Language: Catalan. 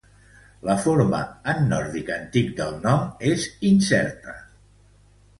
La forma en nòrdic antic del nom és incerta.